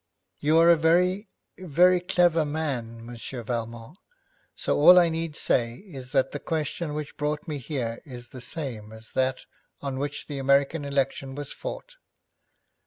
'You are a very, very clever man, Monsieur Valmont, so all I need say is that the question which brought me here is the same as that on which the American election was fought.